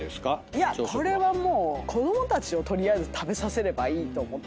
いやこれはもう子供たちを取りあえず食べさせればいいと思ってる感じで。